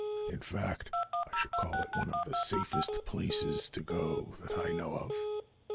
In fact, I should call it one of the safest places to go that I know of."